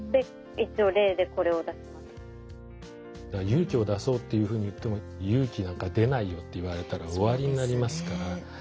勇気を出そうっていうふうに言っても勇気なんか出ないよって言われたら終わりになりますから。